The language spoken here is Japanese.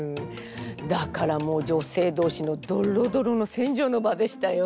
だからもう女性同士のドロドロの戦場の場でしたよ。